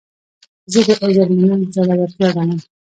زه د عذر منل زړورتیا ګڼم.